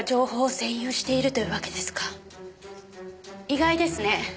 意外ですね。